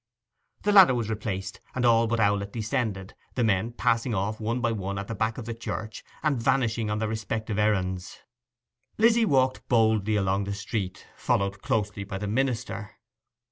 The ladder was replaced, and all but Owlett descended, the men passing off one by one at the back of the church, and vanishing on their respective errands. Lizzy walked boldly along the street, followed closely by the minister.